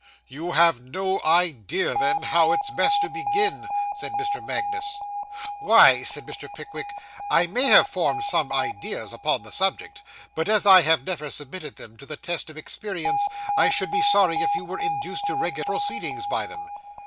'You have no idea, then, how it's best to begin?' said Mr. Magnus. 'Why,' said Mr. Pickwick, 'I may have formed some ideas upon the subject, but, as I have never submitted them to the test of experience, I should be sorry if you were induced to regulate your proceedings by them.